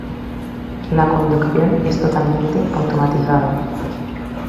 La conducción es totalmente automatizada.